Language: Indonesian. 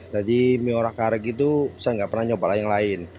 jadi mie orak arik itu saya nggak pernah nyoba yang lain